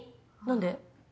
何で？